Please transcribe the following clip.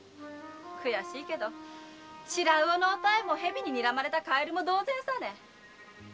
悔しいけれど白魚のお妙もヘビににらまれたカエルも同然さ。